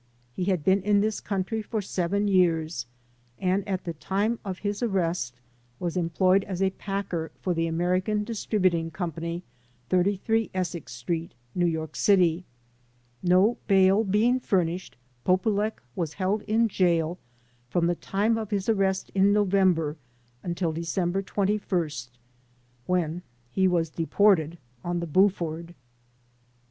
He had been in this country for 7 years and at the time of his arrest was employed as a packer for the American Distributing Co., 33 Essex Street, New York City. No bail being furnished, Polulech was held in jail from the 44 THE DEPORTATION CASES time of his arrest in November until December 21st, when he was deported on the "Buford."